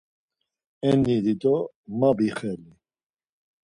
Enni dido ma bixeli.